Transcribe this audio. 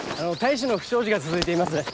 隊士の不祥事が続いています。